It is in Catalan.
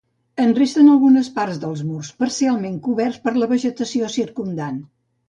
En resten algunes parts dels murs, parcialment coberts per la vegetació circumdant.